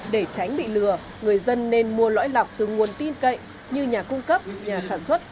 để tránh bị lừa người dân nên mua lõi lọc từ nguồn tin cậy như nhà cung cấp nhà sản xuất